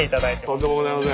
とんでもございません。